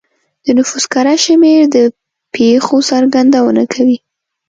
د نفوس کره شمېر د پېښو څرګندونه کوي.